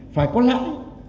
phải có lãi